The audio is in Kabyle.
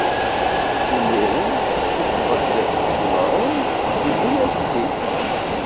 Imiren, issufɣ-d Cimɛun, iwwi-yasen-t-id.